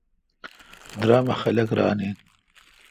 درام اؘ خلق ران این۔